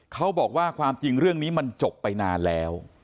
เขาบอกว่าความจริงเรื่องนี้มันจบไปนานแล้ว